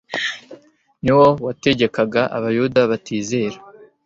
niwo wategekaga abayuda batizera.